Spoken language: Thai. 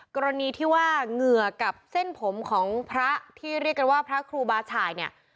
กรณีที่ว่าเหงื่อกับเส้นผมของพระที่เรียกกันว่าพระครูบาฉ่ายเนี่ย